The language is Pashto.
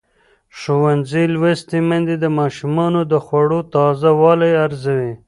ښوونځې لوستې میندې د ماشومانو د خوړو تازه والی ارزوي.